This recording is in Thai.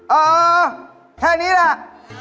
เออแค่นี้แหละ